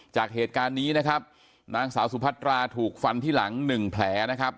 จากเหตุการณ์นี้นะครับนางสาวสุพัตราถูกฟันที่หลังหนึ่งแผลนะครับ